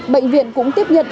bệnh viện cũng tiếp nhận